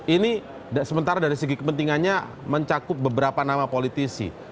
ini sementara dari segi kepentingannya mencakup beberapa nama politisi